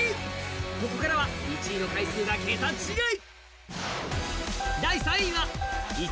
ここからは１位の回数が桁違い。